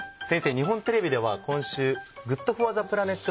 日本テレビでは今週ＧｏｏｄＦｏｒｔｈｅＰｌａｎｅｔ